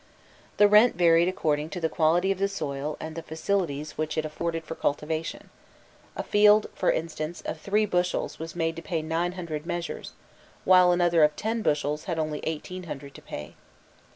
The rent varied according to the quality of the soil and the facilities which it afforded for cultivation: a field, for instance, of three bushels was made to pay nine hundred measures, while another of ten bushels had only eighteen hundred to pay.